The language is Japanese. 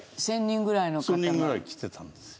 １０００人ぐらい来てたんです。